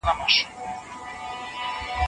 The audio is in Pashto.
انسان بايد خپل عزت په هر حالت کي وساتي.